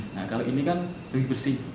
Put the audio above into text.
nah kalau ini kan lebih bersih